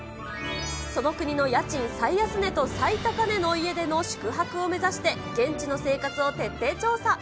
その国の家賃最安値と最高値の家での宿泊を目指して、現地の生活を徹底調査。